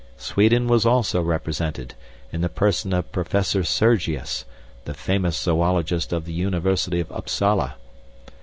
Sweden was also represented, in the person of Professor Sergius, the famous Zoologist of the University of Upsala.